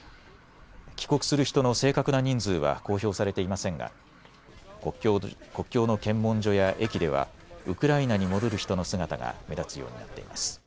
帰国する人の正確な人数は公表されていませんが国境の検問所や駅ではウクライナに戻る人の姿が目立つようになっています。